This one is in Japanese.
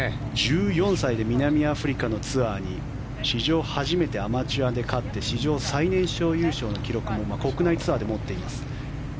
１４歳で南アフリカのツアーに史上初めてアマチュアで勝って史上最年少優勝の記録も国内ツアーで持っています。